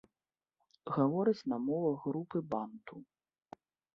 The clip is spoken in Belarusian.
Гавораць на мовах групы банту.